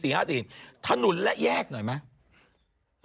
เนี่ยฮะ๔๕๔มี๔๕๔ถนนแล้วแยกหน่อยไหม